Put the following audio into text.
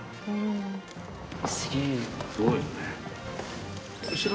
すごいよね。